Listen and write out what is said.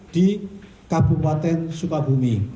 di kabupaten sukabumi